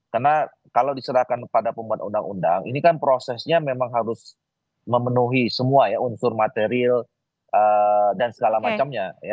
karena kalau diserahkan kepada pembuat undang undang ini kan prosesnya memang harus memenuhi semua ya unsur material dan segala macamnya